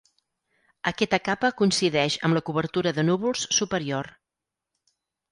Aquesta capa coincideix amb la cobertura de núvols superior.